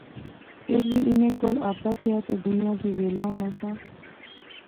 فیر وی انیں کول آپے کیا تہ دویاں کی ویلا ہونا سا